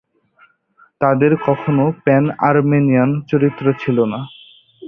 তাদের কখনো প্যান-আর্মেনিয়ান চরিত্র ছিল না।